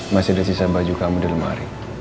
masih ada sisa baju kamu di lemari